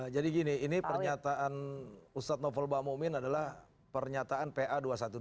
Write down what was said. jadi gini ini pernyataan ustadz novolba mokmin adalah pernyataan pa dua ratus dua belas